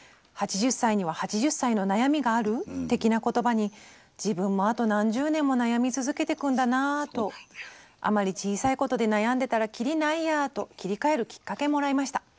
８０歳には８０歳の悩みがある的な言葉に自分もあと何十年も悩み続けてくんだなとあまり小さいことで悩んでたらキリないやと切り替えるきっかけもらいました」。